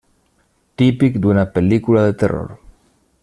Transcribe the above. Típic d'una pel·lícula de terror.